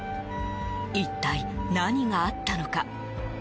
一体、何があったのか。